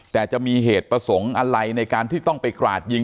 แต่จะมีเหตุประสงค์อะไรในการที่ต้องไปกราดยิง